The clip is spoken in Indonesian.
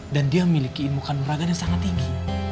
dan dia memiliki muka nuragan yang sangat tinggi